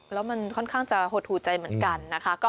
แล้วมันค่อนข้างจะหดหูใจเหมือนกันนะคะ